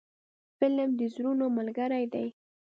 فلم د زړونو ملګری دی